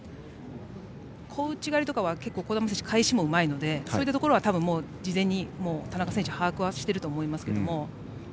小内刈りとかは児玉選手は返しもうまいのでそういったところは事前に田中選手も把握はしていると思いますが。